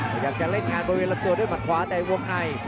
พยายามจะเล่นงานบริเวณลำตัวด้วยหมัดขวาแต่วงใน